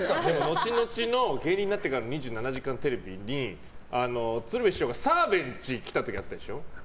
後々の芸人になってからの「２７時間テレビ」で鶴瓶師匠が澤部の家来たことがあったでしょう。